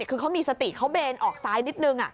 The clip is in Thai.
คือเขามีสติเขาเบนออกซ้ายนิดนึง